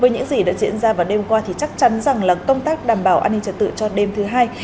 với những gì đã diễn ra vào đêm qua thì chắc chắn rằng là công tác đảm bảo an ninh trật tự cho đêm thứ hai